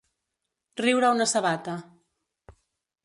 Riure una sabata.